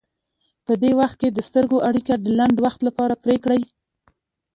په دې وخت کې د سترګو اړیکه د لنډ وخت لپاره پرې کړئ.